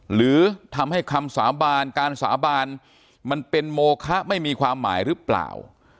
หรือทำให้คำสาบานการสาบานมันเป็นโมคะไม่มีความหมายหรือเปล่า